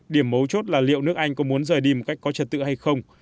điểm mấu chốt là liệu nước anh có muốn rời đi một cách có trật tự hay không